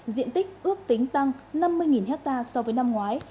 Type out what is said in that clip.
diện tích ước tính tăng năm mươi hectare so với năm ngoái